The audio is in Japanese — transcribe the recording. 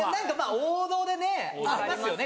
王道でねありますよね